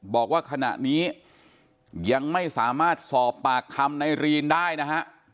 บอกว่าขณะนี้ยังไม่สามารถสอบปากคำในรีนได้นะฮะ